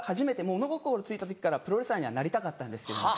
物心ついた時からプロレスラーにはなりたかったんですけど。